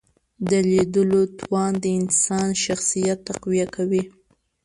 د لیدلو توان د انسان شخصیت تقویه کوي